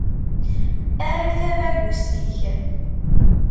Err tabagust-ik.